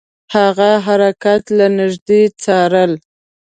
هغه حرکات له نیژدې څارل.